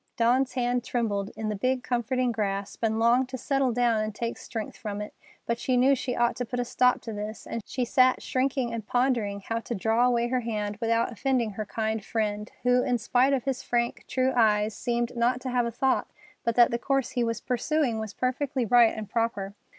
Dawn's hand trembled in the big, comforting grasp, and longed to settle down and take strength from it; but she knew she ought to put a stop to this, and she sat shrinking and pondering how to draw away her hand without offending her kind friend, who, in spite of his frank, true eyes, seemed not to have a thought but that the course he was pursuing was perfectly right and proper.